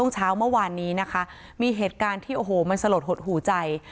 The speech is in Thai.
เช้าเมื่อวานนี้นะคะมีเหตุการณ์ที่โอ้โหมันสลดหดหูใจ